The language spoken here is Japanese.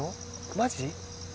マジ？